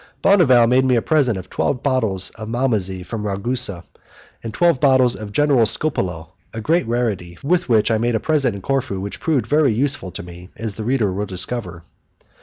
Bonneval made me a present of twelve bottles of malmsey from Ragusa, and of twelve bottles of genuine scopolo a great rarity, with which I made a present in Corfu which proved very useful to me, as the reader will discover.